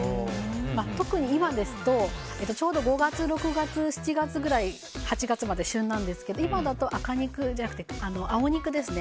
特に今ですと、ちょうど５月、６月、７月８月まで旬なんですけど今だと青肉ですね